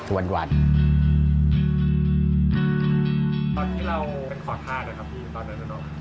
เชิญติดตามรัวของคุณต้นจะน่าสนใจขนาดไหน